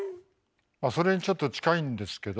それにちょっと近いんですけど。